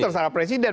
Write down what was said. itu terserah presiden